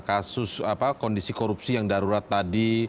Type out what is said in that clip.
kasus kondisi korupsi yang darurat tadi